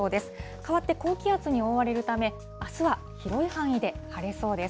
変わって高気圧に覆われるため、あすは広い範囲で晴れそうです。